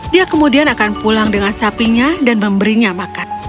dia kemudian akan pulang dengan sapinya dan memberinya makan